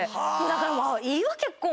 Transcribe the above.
だから。